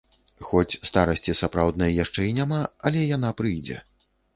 Хоць старасці сапраўднай яшчэ і няма, але яна прыйдзе.